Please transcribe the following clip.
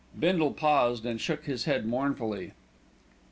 Bindle paused and shook his head mournfully.